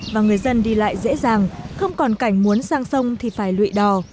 và người dân đi lại dễ dàng không còn cảnh muốn sang sông thì phải lụy đò